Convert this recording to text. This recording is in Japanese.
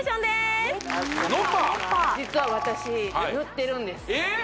実は私塗ってるんですえっ！？